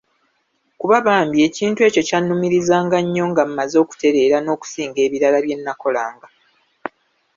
Kuba bambi ekintu ekyo kyannumirizanga nnyo nga mmaze okutereera n'okusinga ebirala byennakolanga.